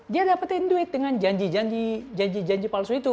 dia dapetin duit dengan janji janji palsu itu